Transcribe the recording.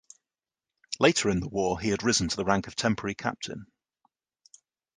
Later in the war he had risen to the rank of temporary captain.